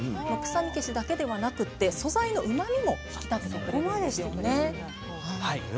臭み消しだけではなくって素材のうまみも引き立ててくれるんですよね。